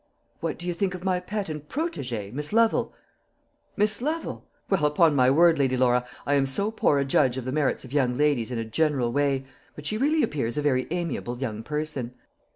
"What do you think of my pet and protégée, Miss Lovel?" "Miss Lovel! Well, upon my word, Lady Laura, I am so poor a judge of the merits of young ladies in a general way; but she really appears a very amiable young person."